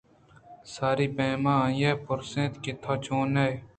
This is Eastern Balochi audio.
ساری ءِ پیما آئے پُرس اِت کہ تو چون ئِے؟